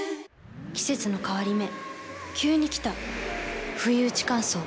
季節の変わり目急に来たふいうち乾燥。